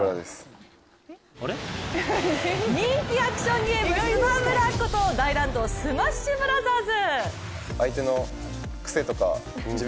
人気アクションゲーム「スマブラ」こと「大乱闘スマッシュブラザーズ」。